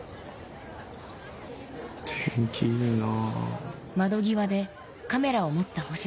天気いいな。